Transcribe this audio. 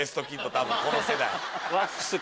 多分この世代。